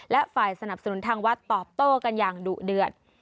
และฝ่ายสนับสนุนทางวัดตอบโต้กันอย่างดุเดือด